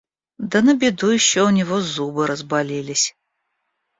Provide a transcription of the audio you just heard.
Да на беду еще у него зубы разболелись.